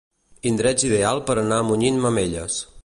Indrets ideal per anar munyint mamelles.